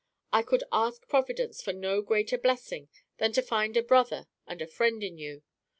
I could ask Providence for no greater blessing than to find a brother and a friend in you.